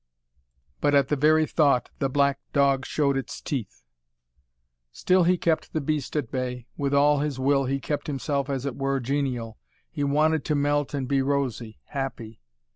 But at the very thought, the black dog showed its teeth. Still he kept the beast at bay with all his will he kept himself as it were genial. He wanted to melt and be rosy, happy.